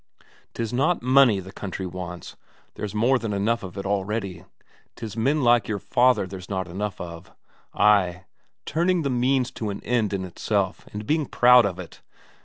'Tis not money the country wants, there's more than enough of it already; 'tis men like your father there's not enough of. Ay, turning the means to an end in itself and being proud of it!